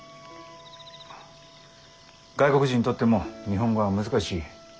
あ外国人にとっても日本語は難しい。